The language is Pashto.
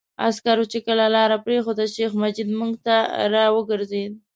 عسکرو چې کله لاره پرېښوده، شیخ مجید موږ ته را وګرځېد.